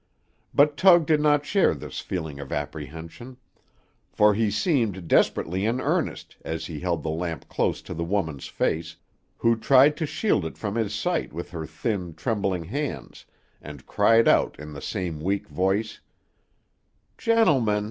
But Tug did not share this feeling of apprehension, for he seemed desperately in earnest as he held the lamp close to the woman's face, who tried to shield it from his sight with her thin, trembling hands, and cried out in the same weak voice: "Gentlemen!